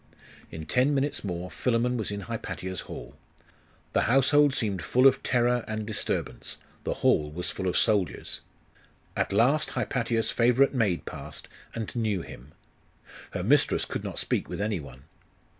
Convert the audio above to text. In ten minutes more Philammon was in Hypatia's hall. The household seemed full of terror and disturbance; the hall was full of soldiers. At last Hypatia's favourite maid passed, and knew him. Her mistress could not speak with any one.